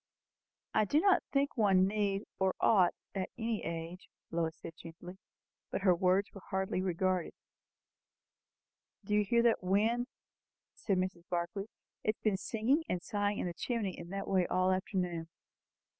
"I do not think one need or ought at any age," Lois said gently; but her words were hardly regarded. "Do you hear that wind?" said Mrs. Barclay. "It has been singing and sighing in the chimney in that way all the afternoon."